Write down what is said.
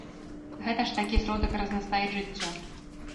Гэта ж такі сродак разнастаіць жыццё.